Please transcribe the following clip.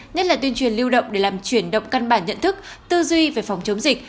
nhất là tuyên truyền lưu động để làm chuyển động căn bản nhận thức tư duy về phòng chống dịch